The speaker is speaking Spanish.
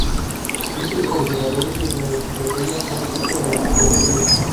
Es el coordinador de la "Enciclopedia práctica de la psicología".